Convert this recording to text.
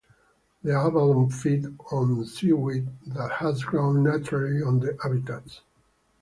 The abalone feed on seaweed that has grown naturally on the abitats.